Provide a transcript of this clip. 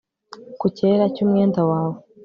Ku cyera cyumwenda wawe